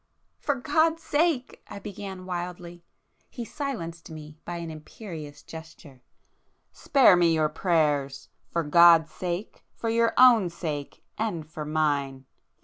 "For God's sake ...!" I began wildly. He silenced me by an imperious gesture. "Spare me your prayers! For God's sake, for your own sake, and for mine!